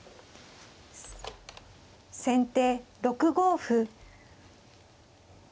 先手６五歩。